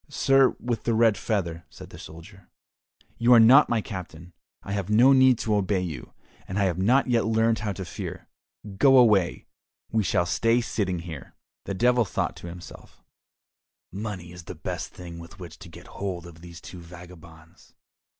"Sir with the red feather," said the soldier, "you are not my captain, I have no need to obey you, and I have not yet learned how to fear. Go away, we shall stay sitting here." The Devil thought to himself, "Money is the best thing with which to get hold of these two vagabonds."